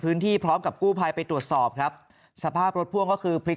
พร้อมกับกู้ภัยไปตรวจสอบครับสภาพรถพ่วงก็คือพลิก